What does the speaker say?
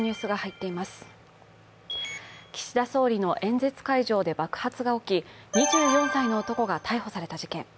岸田総理総理の演説会場で爆発が起き、２４歳の男が逮捕された事件。